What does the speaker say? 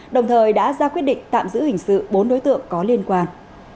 đồng thời đã ra quyết định tạm giữ hình sự bốn đối tượng có liên quan